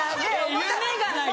夢がないと！